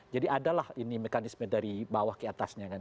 jadi adalah ini mekanisme dari bawah ke atasnya kan